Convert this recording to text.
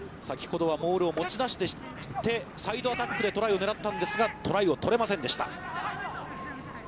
先ほどはモールで持ち出していってサイドアタックでトライを狙ったんですが、トライを取れませんでした。